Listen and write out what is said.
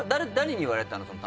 誰に言われたの？